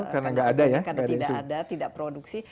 karena tidak ada tidak produksi